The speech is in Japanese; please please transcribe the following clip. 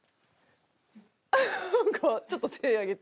ハハッちょっと手挙げて。